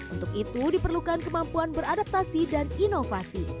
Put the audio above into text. untuk itu diperlukan kemampuan beradaptasi dan inovasi